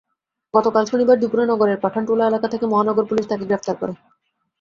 গতকাল শনিবার দুপুরে নগরের পাঠানটুলা এলাকা থেকে মহানগর পুলিশ তাঁকে গ্রেপ্তার করে।